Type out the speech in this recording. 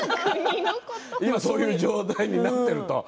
今そういう状態になってると。